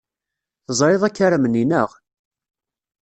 Teẓrid akaram-nni, naɣ?